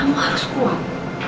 anak mama harus kuat